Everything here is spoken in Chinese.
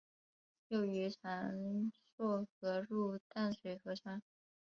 幼鱼常溯河入淡水河川。